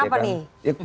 kesurupan apa nih